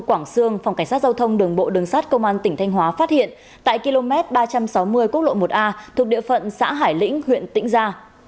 quốc lộ một a thuộc địa phận xã hải lĩnh huyện tĩnh gia